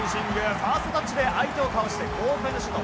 ファーストタッチで相手を倒してシュート。